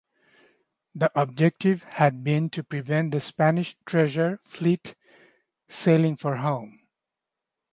The objective had been to prevent the Spanish treasure fleet sailing for home.